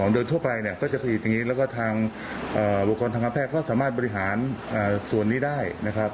โดยทั่วไปเนี่ยก็จะผลิตอย่างนี้แล้วก็ทางบุคลากรทางการแพทย์ก็สามารถบริหารส่วนนี้ได้นะครับ